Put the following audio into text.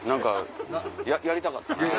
やりたかったな。